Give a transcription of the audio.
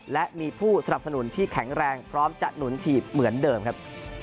และมีผู้สนับสนุนที่แข็งแรงพร้อมจะหนุนถีบเหมือนเดิมครับ